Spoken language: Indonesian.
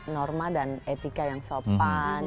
norma dan etika yang sopan